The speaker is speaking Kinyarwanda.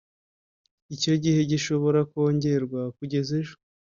Icyo gihe gishobora kongerwa kugeza ejo